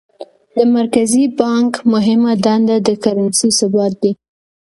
د مرکزي بانک مهمه دنده د کرنسۍ ثبات دی.